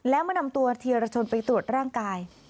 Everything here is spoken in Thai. แล้วมานำตัวเทียรชนไปตรวจร่างกาย